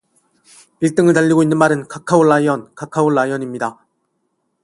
일등을 달리고 있는 말은 카카오 라이언, 카카오 라이언입니다.